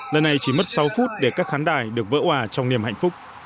lần này chỉ mất sáu phút để các khán đài được vỡ hòa trong niềm hạnh phúc